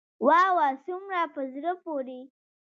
واه واه څومره په زړه پوري.